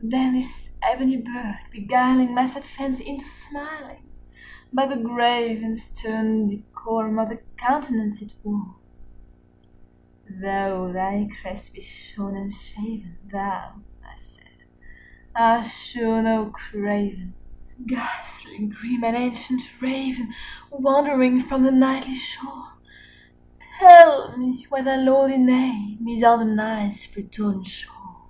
Then this ebony bird beguiling my sad fancy into smiling By the grave and stern decorum of the countenance it wore, "Though thy crest be shorn and shaven, thou," I said, "art sure no craven, 45 Ghastly grim and ancient Raven wandering from the Nightly shore: Tell me what thy lordly name is on the Night's Plutonian shore!"